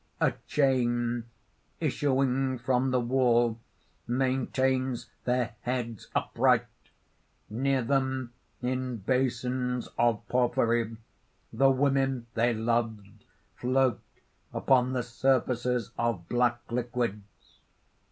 "A chain, issuing from the wall, maintains their heads upright. Near them, in basins of porphyry, the women they loved float upon the surfaces of black liquids.